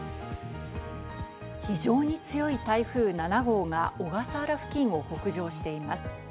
非常に強い台風７号が小笠原付近を北上しています。